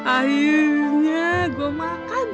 akhirnya gua makan